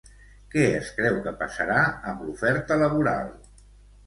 Què es creu que passarà amb l'oferta laboral?